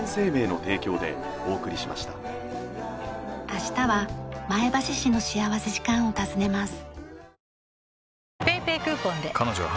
明日は前橋市の幸福時間を訪ねます。